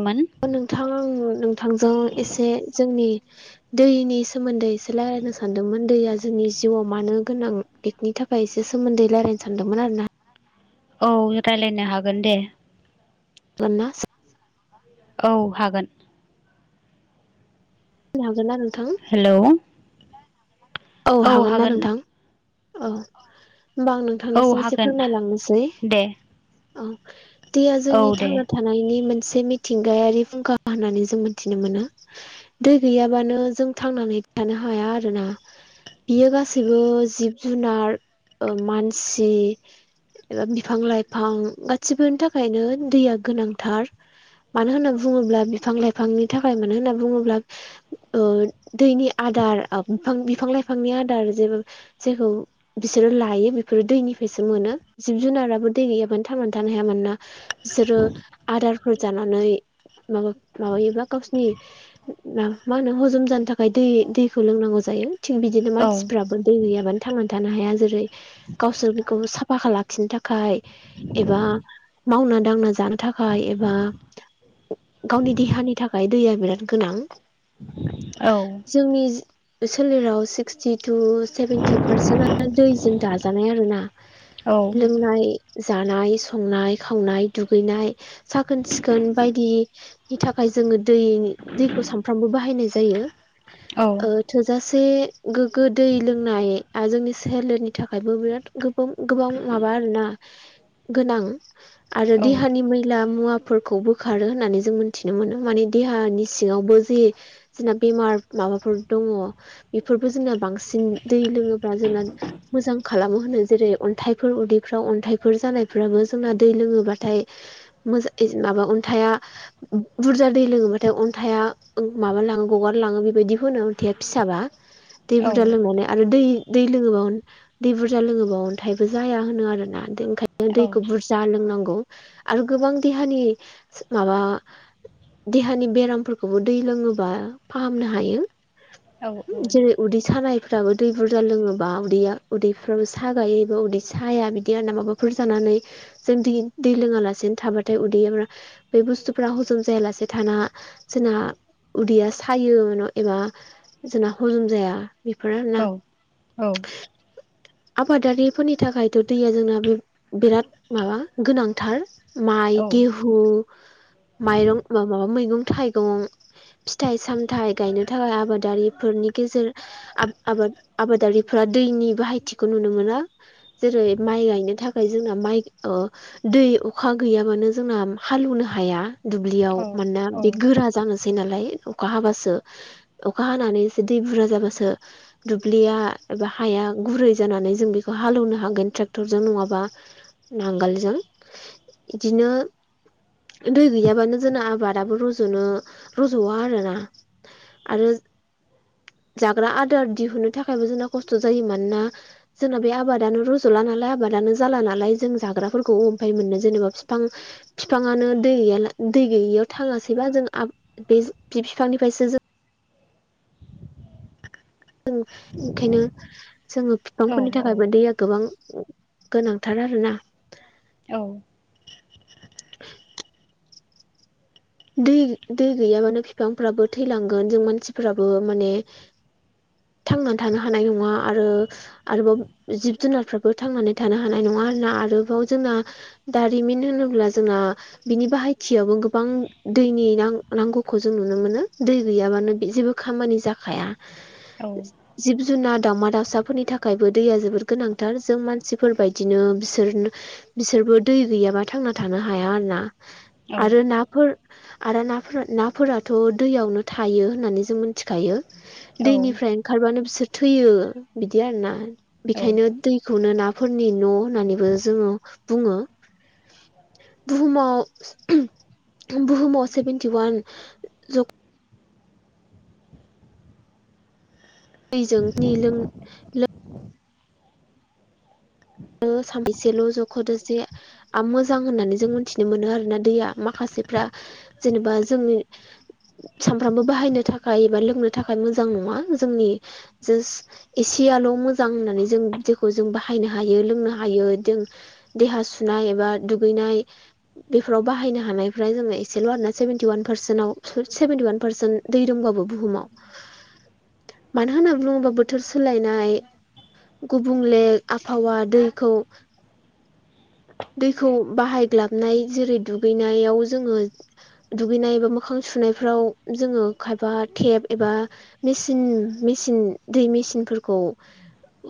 मोन नोंथां आं नोंथांजों एसे जोंनि दैनि सोमोन्दै। एसे रायजलायनो सानदोंमोन दैया जोंनि जिउआव मानो गोनां बेनि थाखाय। बे सोमोन्दै रायलायनो सानदोंमोन आरो ना। औ रायलायनो हागोन दे। [unintelligible] औ हागोन। लाागोन ना नोंथा? हेल'। औ हागोन ना नोंथां? औ होमबा आं नोंथां [inaudible] औ निसिमसे हागोन फोरमायलांनोसै दे औ दैया औ जोंनि दे थांना थानायनि मोनसे मिथिंगायारि फुंखा होननानै जों मोनथिनो मोनो। दै गैयाबानो जों थांनानै थानो हाया आरोना। बियो गासैबो जिब जुनार मानसि। एबा बिफां लाइफां गासिबोनि थाखायनो दैया गोनांथार। मानो होनना बुङोब्ला बिफां लाइफांनि थाखाय मानो होनना बुङोब्ला ओ दैनि आदार बिफां बिफां लाइफांनि आदार जे जायखौ बिसोरो लायो बेफोरो दैनिफ्रायसो मोनो जिब जुनाराबो दै गैयाबानो थांनानै थानो हाया मानोना बिसोरो आदारफोर जानानै माबा माबायोबा गावसिनि ना मा होनो हजम जानो थाखाय दै दैखौ लोंनांगौ जायो थिग बिदिनो औ मानसिफ्राबो दै गैयाबानो थांनानै थानो हाया जेरै गावसोरखौ साफाखौ लाखिनो थाखाय एबा मावना दांना जानो थाखाय एबा गावनि देहानि थाखाय दैया बिराद गोनां। औ। जोंनि सोलेराव सिक्सटि टु सेभेेनटि पारसेन्टआ दैजों दाजानाय आरो ना। औ लोंनाय जानाय संनाय खावनाय दुगैनाय साखोन सिखोन बायदि नि थाखाय जोङो दै दैखौ सानफ्रामबो बाहायनाय जायो। औ। ओ औ थोजासे गोग्गो दै लोंनाया जोंनि सोलेरनि थाखायबो बिराद गोबां माबा आरोना गोनां आरो औ देहानि मैला मुवा फोरखौ बोखारो होननानै जों मोन्थिनो मोनो माने देहानि सिङावबो जे जोंना बेमार माबाफोर दङ बेफोरबो जोंना बांसिन दै लोङोब्ला जोंना मोजां खालामो होनो जेरै अन्थाइफोर उदैफ्राव अन्थाइफोर जानायफ्राबो जोंना दै लोङोब्लाथाय मोजां माबा अन्थाइया बुरजा दै लोङोबाथाय अन्थाइा ओ माबा लाङो गगार लाङो बेबायदि होनो। न्थाया फिसाबा दै औ बुरजा लोंनानै आरो दै दै लोङोबा दै बुरजा लोङोबा अन्थायाइबो जाया होनो आरोना ओंखायनो दैखौ औ बुरजा जा लोंनांगौ आरो गोबां देहानि माबा देहानि बेरामफोरखौबो दै लोङोबा फाहामनो हायो। औ औ औ जेरै उदै सानाय फ्राबो दै बुरजा लोङोबा उदैया उदैफ्राबो सागायोबा उदै साया बिदि आरोना माबाफोर जानानै जों दै दै लोङालासेनो थाबाथाय उदैयारा बे बुस्थुफ्रा हजम जायालासे थाना जोंना उदैया सायो एबा जोंना हजम जाया। बेफोर आरोना औ औ। आबादारिफोरनि थाखायथ' दैया जोंना बे बिराद माबा गोनांथार। माइ गेहु माइरं माबा मैगं थाइगं फिथाइ सामथाइ गायनो थाखाय आबादारिफोरनि गेजेर आ-आबाद आबादारिफोरा दैनि बाहायथिखौ नुनो मोनो। जेरै माइ गायनो थाखाय जोंना माइ ओ दै अखा गैयाबानो जोंना हालौवनो हाया दुब्लियाव मानोना बे गोरा जानोसै थासै नालाय अखा हाबासो अखा हानानै एसे दै बुरजा जाबासो दुब्लिया एबा हाया गुरै जनानै जों बेखौ हालेौवनो हागोन ट्रेक्टरजों नङाबा नांगोलजों बिदिनो दै गैयाबानो जोंना आबादाबो रज'नो रज'आ आरो ना आरो जाग्रा आदार दिहुनो थाखायबो जोंना खस्थ' जायो मानोना जोंना बे आबादानो रज'ला नालाय आबादानो जाला नालाय जों जाग्राफोरखौ अमफाय मोननो जेनेबा बिफां बिफाङानो दै गैया दै गैयैयाव थाङासैबा जों बे बिफांनिफ्रायसो जों जों ओंखायनो जोङो बिफांफोरनि थाखायबो दैया गोबां गोनांथार आरोोना औ दै दै गैयाबानो बिफांफ्राबो थैलांगोन जों मानसिफोराबो माने थांनानै थानो हानाय नङा आरो आरोबाव जिब जुनारफ्राबो थांनानै थानो हानाय नङा आरोोना आरोबाव जोंना दारिमिन होनोब्ला जोंहा बिनि बाहायथियावबो गोबां दैनि न नांगौखौ जों नुनो मोनो दै गैयाबानो जेबो खामानि जाखाया [inaudible] जिब जुनार दावमा दाउसाफोरनि थाखायबो दैया जोबोद गोनांथार जों मानसिफोरबायदिनो बिसोरनो बिसोरबो दै गैयाबा थांना थानो हाया आर ना आरो नाफोर आरो नाफोरा नाफोराथ' दैयावनो थायो होननानै जों मिथिखायो दैनिफ्राय ओंखारबानो बिसोर थैयो बिदि आरोना बेखायनो दैखौनो नाफोरनि न' होननानैबो जोङो बुङो बुहुमाव बुहुमाव सेभेेनटि वान दैजों सानैसेल' जख'दोसे मोजां होननानै जों मोनथिनो मोनो आरोना दैया माखासेफ्रा जेनेबा जोंनि सानफ्रामबो बाहायनो थाखाय एबा लोंनो थाखाय मोजां नङा जोंनि जासट एसेयाल' मोजां होननानै जों जेखौ जों बाहायनो हायो ह लोंनो हायो जों देहा सुनाय एबा दुगैनाय बेफोराव बाहायनो हानायफ जोङो एसेल' आरोना seventy one percent seventy one percent दै रंबाबो बुहुमाव [inaudible] मानो होनना बुङोब्ला बोथोर सोलायनाय गुबुंलेख आबहावा दैखौ दैखौ बाहायग्लाबनाय जेरै दुगैनायाव जोङो दुगैनाय एबा मोखां सुनायफ्राव जोङो खायफा टेप एबा मेसिन मेचन दै मेचिनफोरखौ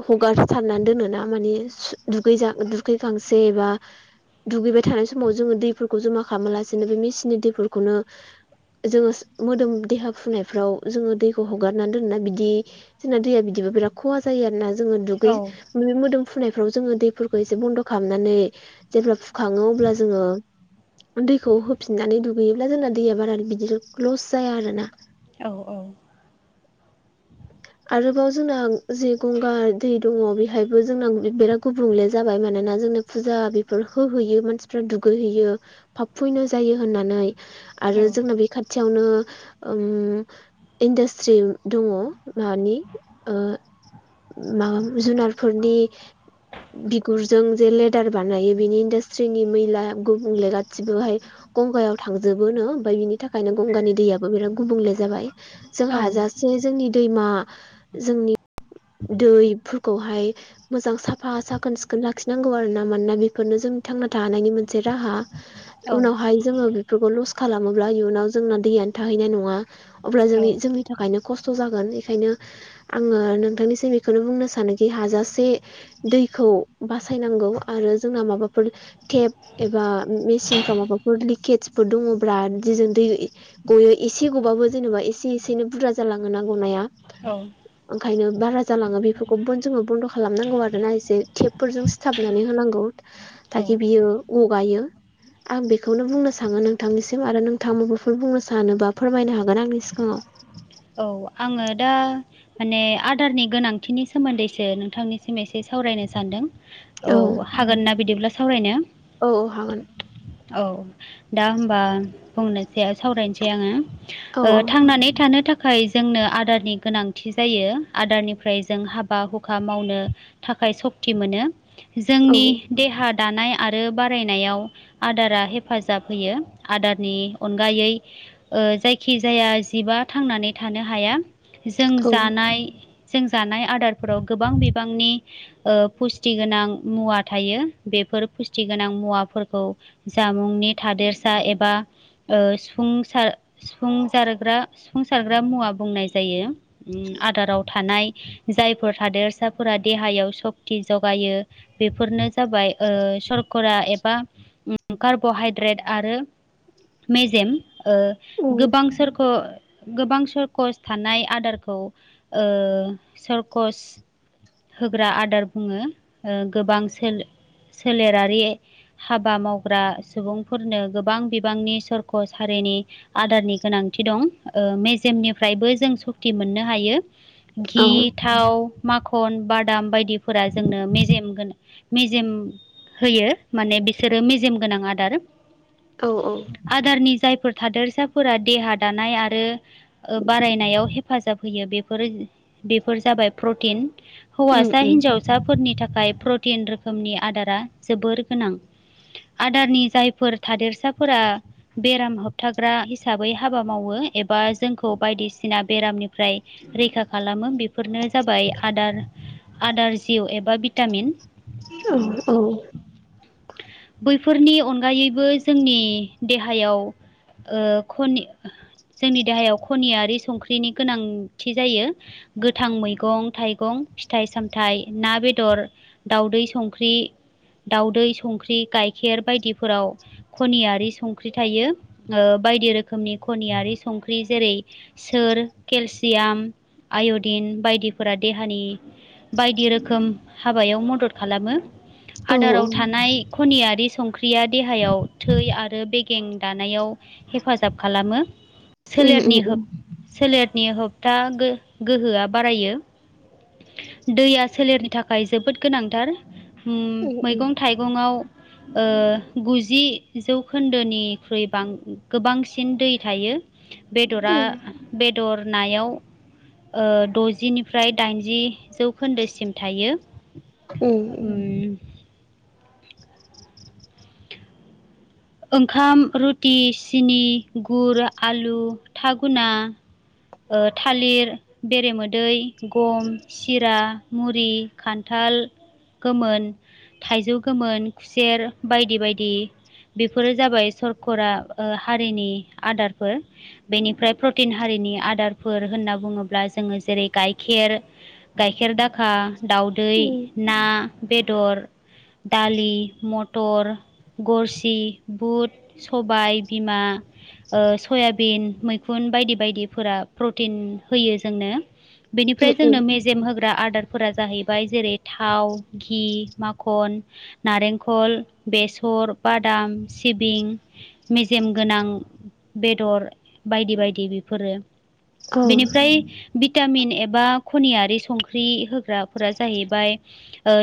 हगारथारनानै दोन ना मानिे दुगै दुगै गांसे एा दुगैबाय थानाय समाव जोङो दैफोरखौ जमा खालामालासेनो बे मेसिननि दैफोरखौनो जोङो मोदोम देहा फुनायफ्राव जोङो दैखौ हगारनानै दोना बिदि जोंना दैया बिदिबा बेर खहा जायो आरोोना जोङो दुगै बे मोदोम फुनायफ्राव जोङो दैफोरखौ एसे बन्द' खालामनानै जेब्ला फुखाङो अब्ला जोङो दैखौ होफिननानै दुगैयोब्ला जोंना दैया बारा बिदिर लस जाया आरोना औ औ आरोबाव जोंना जे गंगार दै दङ बेहायबो जोंना बिराद गुबुंले जाबाय मानोना जोंनो फुजा बेफोर होहैयो मानसिफ्रा दुगैहैयो फाब फैनो जायो होननानै आरो जोंना बे खाथियावनो इन्डास्ट्रि दङ मानि माबा जुनारफोरनि बिगुरजों जे लेदार बानायो बिनि इन्डासट्रिनि मैला गुबुंले गासिबोहाय गंगायाव थांजोबोनो ओमफ्राय बिनि थाखायनो गंगानि दैयाबो बिराद गुबुंले जाबाय जों हाजासे जोंनि दैमा जोंनि दैफोरखौहाय मोजां साफा साखोन सिखोन लाखिनांगौ आरो ना मानोना बेफोरनो जोंनि थांना थानायनि मोनसे राहा [inaudible] उनावहाय जोङो बेफोरखौ लस खालामोब्ला इयुनाव जोंना दैयानो थाहैनाय नङा अब्ला जोंनि जोंनि थाखायनो खस्थ' जागोन बेखायनो आङो नोंथांनिसिम बेखौनो बुंनो सानोखि हाजासे दैखौ बासायनांगौ आरो जोंना माबाफोर टेप एबा मेसिनफ्राव माबाफोर लिकेजफोर दङब्रा दिजों दै गयो एसे गबाबो जेनेबा एसे एसेनोै बुरजा जालाङोना गनाया औ ओंखायनो बारा जालाङो बेफोरखौ जोङो बन्द' खालामनांगौ आरो ना एसे टेपफोरजों सिथाबनानै होनांगौ औ दाखि बियो गगायो आं बेखौनो बुंनो सानो नोंथांनिसिम आरो नोंथाङा म बेफोर बुंनो सानोबा फोरमायनो हागोन आंनि सिगाङाव औ आङो दा माने आदारनि गोनांथिनि सोमोन्दैसो नोंथांनिसिम एसे सावरायनो सानदों औ हागोन ना बिदिब्ला सावरायनो औ हागोन औ दा होनबा बुंनोसै सावरायनोसै आङो। औ औ थांनानै थानो थाखाय थाखाय जोंनो आदारनि गोनांथि जायो आदारनिफ्राय जों हाबा हुखा मावनो थाखाय सक्ति मोनो औ जोंनि देहा दानाय आरो बारायनायाव आदारा हेफाजाब होयो आदारनि अनगायै जायखि जाया जिबा थांनानै थानो हाया जों औ जानाय जों जानाय आदारफोराव गोबां बिबांनि ओ पुस्थिगोनां मुवा थायो बेफोर पुस्टिगोनां मुवाफोरखौ जामुंनि थादेरसा एबा ओ सुफुं सार जारग्रा सारग्रा मुवा बुंनाय जायो उम आदाराव थानाय जायफोर थादेरसाफोरा देहायाव सक्ति जगायो बेफोरनो जाबाय ओ सरकारा एबा कार्ब'हाइड्रेट आरो मेजेम औ गोबां सोरखौ गोबां सर्कस थानाय आदारखौ ओ सरर्कस होग्रा आदार बुङो गोबां सो सोलेरारि हाबा मावग्रा सुबुंफोरनो गोबां बिबांनि सरख' सारिनि आदारनि गोनांथि दं मेजेमनिफ्रायबो जों सक्ति मोननो हायो गि थाव माखन बादाम बायदिफोरा जोंनो मेजेम गोन मेजेम होयो माने बिसोरो मेजेम गोनां आदार औ औ आदारनि जायफोर थादोरसाफोरा देहा दानाय आरो बारायनायाव हे हेफाजाब होयो बेफोर जाबाय प्रटिन हौवासा हिनजाव फिसाफोरनि थाखाय प्रटिन रोखोमनि आदारा जोबोर गोनां आदारनि जायफोर थादेरसाफोरा बेराम होबथाग्रा हिसाबै हाबा मावो एबा जोंखौ बायदिसिना बेरामनिफ्राय रैखा खालामो बे फोरनो जाबाय आदार आदार जिउ एबा भिटामिन औ औ बैफोरनि अनगायैबो जोंनि देहायाव ओ खनि जोंनि देहायाव खनियारि संख्रिनि गोनांथि जायो गोथां मैगं थाइगं फिथाइ सामथायाइ ना बेदर दाउदै संख्रि दाउदै संख्रि गाइखेर बायदिफोराव खनियारि संख्रि थायो ओ बायदि रोखोमनि खनियारि संख्रि जेरै सोर केलसियाम आय'दिन बायदिफोरा देहानि बायदि रोखोम हाबायाव मदद खालामो आदाराव थानाय खनियारि संख्रिया देहायाव थै आरो बेगें दानायाव हेफाजाब खालामो सोलेरनि हप्था सोलेरनि हप्था गोहोआ बारायो दैया सोलेरनि थाखाय जोबोद गोनांथार उम मैगं थाइगं फुगुङाव [unintelligible] ओ गुजि जौखोन्दोनिख्रुइ बां गोबांसिन दै थायो बेदरा बेदर नायाव द'जिनिफ्राय दाइनजि जौखोन्दोसिम थायो ओम ओंखाम रुटि सिनि गुर आलु थागुना थालिर बेरेमोदै गम सिरा मुरि खान्थाल गोमोन थाइजौ गोमोन खुसेर बायदि बायदि बेफोरो जाबाय सरका हारिनि आदारफोर बेनिफ्राय प्रटिन हारिनि आदार आदारफोर होनना बुङोब्ला जोंङो जेरै गाइखेर गाइखेर दाखा दाउदै ना बेदर दालि मटर गरसि बुट सबाय बिमा ओ सयाबिन मैखुन बायदि बायदिफोरा प्रटिन होयो जोंनो बेनिफ्राय जोंनो जोम होग्रा आदारफोरा जाहैबाय जेरै थाव घि माखन नारेंखल बेसर बादाम सिबिं मेजेम गोनां बेदर बायदि बायदि बेफोरो बेनिफ्राय भिटामिन एबा खनियारि संख्रि होग्राफोरा जाहैबाय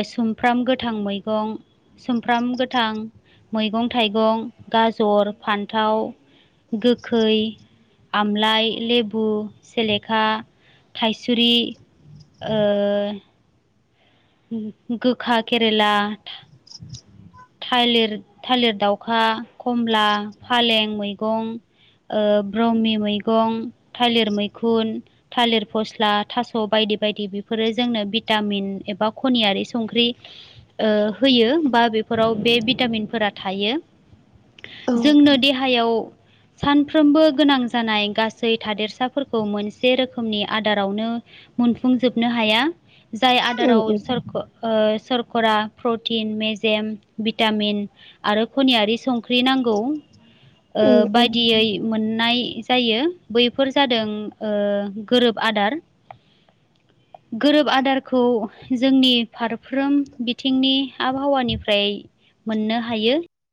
सुमफ्राम गोथां मैगं सुमफ्राम गोथां गोखै आमलााय लेबु हफु सेलेखा थायसुरि ओ गोखा केरेला थालिर थालिर दाउखा खमला फालें मैगं ओ ब्रह्मि मैगं थालिर मैखुन थालिर फस्ला थास' बायदि बायदि बेफोरो जोंनो भिटामिन एबा खनियि संख्रि होयो बा बेफोराव बे भिटामिनफोरा थायो जोंनो देहायाव सानफ्रोमबो गोनां जानाय गासै थादेरसाफोरखौ मोनसे रोखोमनि आदारावनो मोनफुंजोबनो हाया जाय आदाराव सरकरा प्रटिन मेजेम भिटामिन आरो खनियारि संख्रि नांगौ औ औ बायदियै मोननाय जायो बैफोर जादों ओ गोरोब आदार गोरोब आदारखौ जोंनि फारफ्रोम बिथिंनि आबहावानिफ्राय मोननो हायो